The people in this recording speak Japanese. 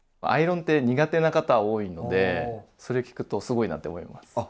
アイロンって苦手な方多いのでそれ聞くとすごいなって思います。